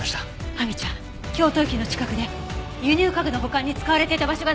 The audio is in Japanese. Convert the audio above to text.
亜美ちゃん京都駅の近くで輸入家具の保管に使われていた場所がないか探して。